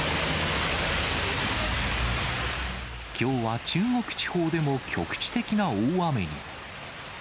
きょうは中国地方でも局地的な大雨に。